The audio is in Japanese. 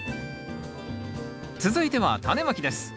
続いてはタネまきです。